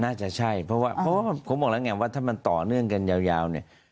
น่าจะใช่เพราะว่าผมบอกแล้วไงว่าถ้ามันต่อเนื่องกันยาว